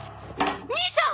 兄さん！